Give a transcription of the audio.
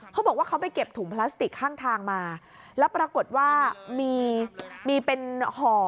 เขาบอกว่าเขาไปเก็บถุงพลาสติกข้างทางมาแล้วปรากฏว่ามีมีเป็นห่อ